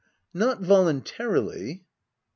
Not voluntarily ?